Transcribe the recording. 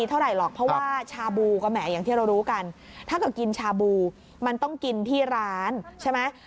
ถ้าเกิดกินชาบูมันต้องกินที่ร้านใช่ไหม